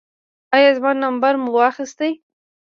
ایا زما نمبر مو واخیست؟